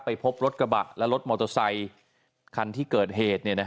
พบรถกระบะและรถมอเตอร์ไซคันที่เกิดเหตุ